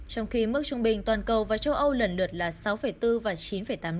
trong khi mức trung bình toàn cầu và châu âu lần lượt là sáu bốn và chín tám